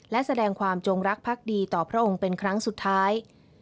และแสดงความจงรักภักดีต่อพระองค์เป็นครั้งสุดท้าย